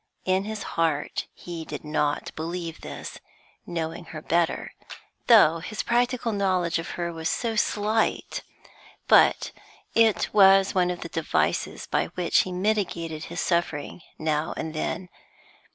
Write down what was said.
In his heart he did not believe this, knowing her better, though his practical knowledge of her was so slight; but it was one of the devices by which he mitigated his suffering now and then.